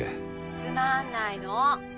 つまんないの。